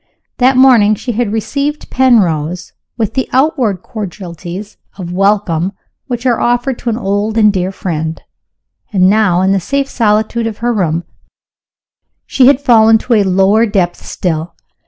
That morning she had received Penrose with the outward cordialities of welcome which are offered to an old and dear friend. And now, in the safe solitude of her room, she had fallen to a lower depth still.